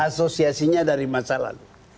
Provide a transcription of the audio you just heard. asosiasinya dari masa lalu